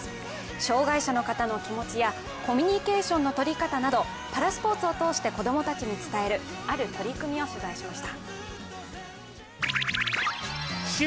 障害者の方の気持ちやコミュニケーションの取り方など、パラスポーツを通して子供たちに伝えるある取り組みを取材しました。